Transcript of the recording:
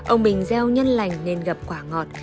ông bình gieo nhân lành nên gặp quả ngọt